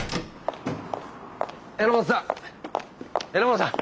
榎本さん！